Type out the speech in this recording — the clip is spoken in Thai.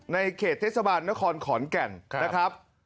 ในเขตเทศบาลนครขอนแก่นนะครับ